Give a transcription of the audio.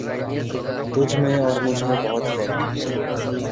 تجھ میں اور مجھ میں بہت فرق ہے